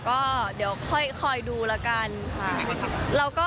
ก็เดี๋ยวค่อยดูแล้วกันค่ะ